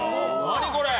何これ！？